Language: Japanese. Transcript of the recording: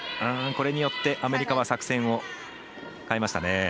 これによってアメリカは作戦を変えましたね。